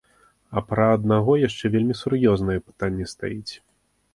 А пра аднаго яшчэ вельмі сур'ёзнае пытанне стаіць.